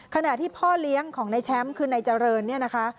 ขณะที่พ่อเลี้ยงของในแชมป์คือนายเจริญเนี่ยนะคะ